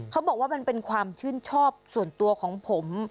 เขาบอกว่ามันเป็นความชื่นชอบส่วนตัวของผม